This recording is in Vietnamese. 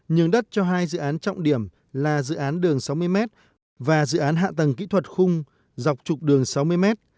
nhường đất cho hai dự án trọng điểm là dự án đường sáu mươi mét và dự án hạ tầng kỹ thuật khung dọc trục đường sáu mươi mét